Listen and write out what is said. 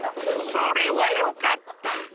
［それはよかった］